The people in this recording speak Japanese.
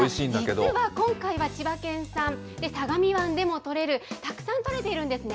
実は今回は千葉県産、相模湾でも取れる、たくさん取れているんですね。